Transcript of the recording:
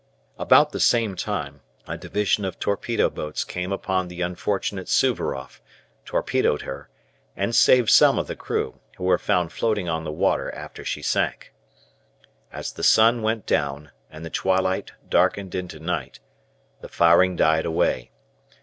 About the same time a division of torpedo boats came upon the unfortunate "Suvaroff," torpedoed her, and saved some of the crew, who were found floating on the water after she sank. As the sun went down, and the twilight darkened into night, the firing died away.